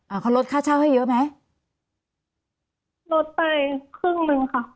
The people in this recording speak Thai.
เขาลดค่าเช่าให้เยอะไหมลดไปครึ่งหนึ่งค่ะ